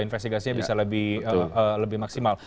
investigasinya bisa lebih maksimal